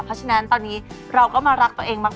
เพราะฉะนั้นตอนนี้เราก็มารักตัวเองมาก